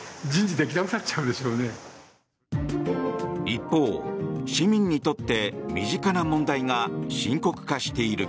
一方、市民にとって身近な問題が深刻化している。